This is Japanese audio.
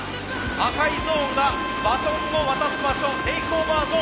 赤いゾーンがバトンを渡す場所テイクオーバーゾーン。